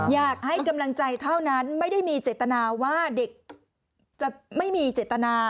อยากให้กำลังใจเท่านั้นไม่ได้มีเจตนาว่าเด็กจะไม่มีเจตนา